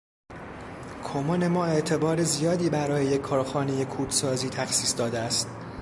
کمون ما اعتبار زیادی برای یک کارخانهٔ کودسازی تخصیص داده است.